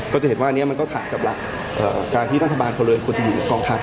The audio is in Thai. ก็จะเห็นว่าอันนี้มันก็ขัดกับหลักการที่รัฐบาลพลเรือนควรจะอยู่กองทัพ